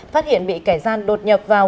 phát hiện bị kẻ gian đột nhập vào